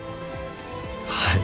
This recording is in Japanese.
はい。